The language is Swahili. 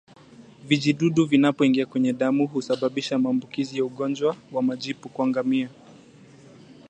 Vijidudu vinapoingia kwenye damu husababisha maambukizi ya ugonjwa wa majipu kwa ngamia